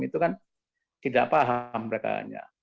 itu kan tidak paham mereka hanya